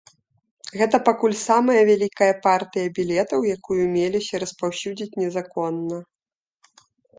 Гэта пакуль самая вялікая партыя білетаў, якую меліся распаўсюдзіць незаконна.